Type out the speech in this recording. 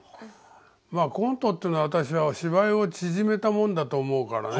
まあコントっていうのは私は芝居を縮めたもんだと思うからね。